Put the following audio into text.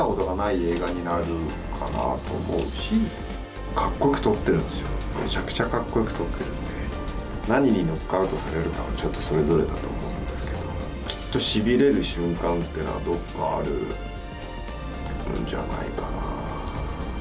映画になるかなと思うし、かっこよく撮ってるんですよ、めちゃくちゃかっこよく撮ってるんで、何にノックアウトされるかは、ちょっとそれぞれだと思うんですけれども、きっとしびれる瞬間っていうのはどこかあるんじゃないかな。